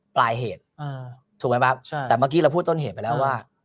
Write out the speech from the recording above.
ปลายเหตุถูกไหมครับใช่แต่เมื่อกี้เราพูดต้นเหตุไปแล้วว่า